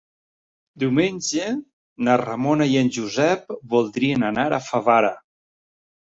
Diumenge na Ramona i en Josep voldrien anar a Favara.